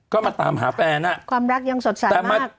ก็มาตามหาแฟนความรักยังสดใสมาก